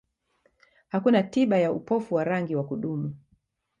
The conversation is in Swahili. Hakuna tiba ya upofu wa rangi wa kudumu.